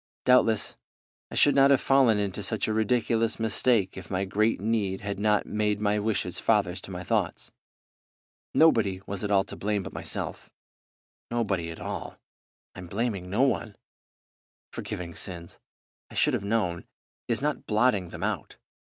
Doubtless I should not have fallen into such a ridiculous mistake if my great need had not made my wishes fathers to my thoughts. Nobody was at all to blame but myself; nobody at all. I'm blaming no one. Forgiving sins, I should have known, is not blotting, them out.